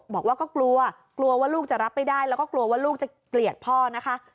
บอกว่าก็กลัวกลัวว่าลูกจะรับไม่ได้แล้วก็กลัวว่าลูกจะเกลียดพ่อนะคะ